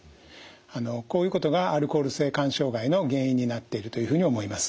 あのこういうことがアルコール性肝障害の原因になっているというふうに思います。